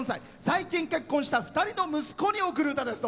最近結婚した２人の息子に贈る歌です。